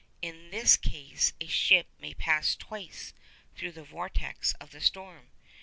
In this case a ship may pass twice through the vortex of the storm.